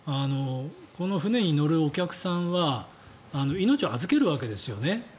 この船に乗るお客さんは命を預けるわけですよね。